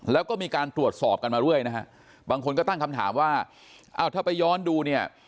แล้วก็มีการตรวจสอบกันมาเรื่อยนะฮะบางคนก็ตั้งคำถามว่าอ้าวถ้าไปย้อนดูเนี่ย